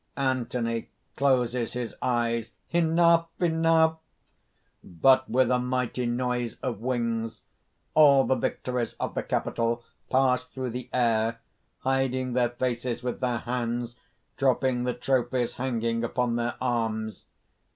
ANTHONY (closes his eyes): "Enough! Enough!" (_But with a mighty noise of wings, all the Victories of the Capitol pass through the air, hiding their faces with their hands, dropping the trophies hanging upon their arms.